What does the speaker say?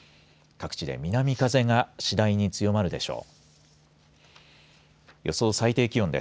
各地で南風が次第に強まるでしょう。